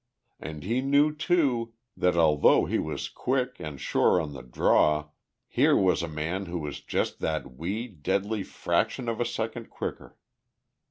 And he knew too, that although he was quick and sure on the draw, here was a man who was just that wee, deadly fraction of a second quicker.